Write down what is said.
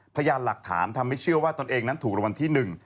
พยายามหลักถามทำให้เชื่อว่าตัวเองนั้นถูกรวมที่หนึ่ง